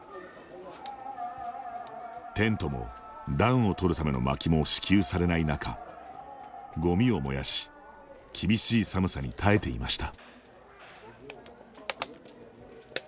テントも、暖を取るためのまきも支給されない中ごみを燃やし厳しい寒さに耐えていました。